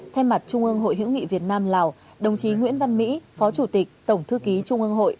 thay mặt trung ương hội hiểu nghị việt nam lào đồng chí nguyễn văn mỹ phó chủ tịch tổng thư ký trung ương hội